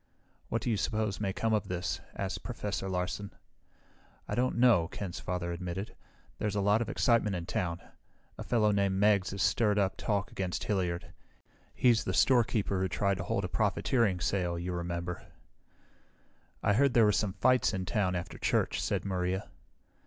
"What do you suppose may come of this?" asked Professor Larsen. "I don't know," Ken's father admitted. "There's a lot of excitement in town. A fellow named Meggs is stirring up talk against Hilliard. He's the storekeeper who tried to hold a profiteering sale, you remember." "I heard there were some fights in town after church," said Maria.